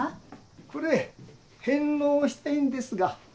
これ返納したいんですが。